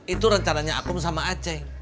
itu rencana nya aku sama aceng